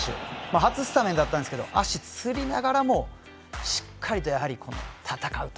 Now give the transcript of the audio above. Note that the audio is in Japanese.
初スタメンだったんですけど足つりながらもしっかりと、やはり戦うと。